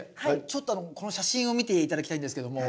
ちょっとこの写真を見て頂きたいんですけども。